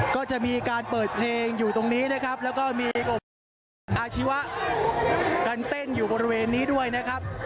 ก็จะมีการเปิดเพลงอยู่ตรงนี้นะครับแล้วก็มีกลุ่มอาชีวะกันเต้นอยู่บริเวณนี้ด้วยนะครับ